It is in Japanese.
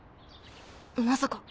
まさか。